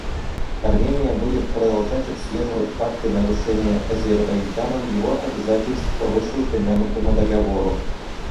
Армения будет продолжать отслеживать факты нарушения Азербайджаном его обязательств по вышеупомянутому Договору.